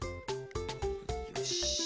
よし。